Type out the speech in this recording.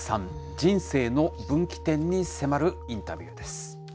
人生の分岐点に迫るインタビューです。